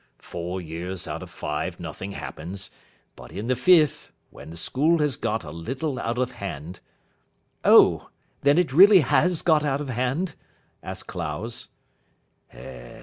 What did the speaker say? Four years out of five nothing happens. But in the fifth, when the school has got a little out of hand " "Oh, then it really has got out of hand?" asked Clowes.